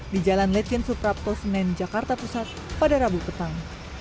di jalan letien suprapto senen jakarta pusat pada rabu petang